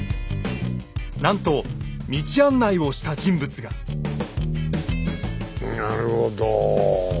なんと道案内をした人物がなるほど。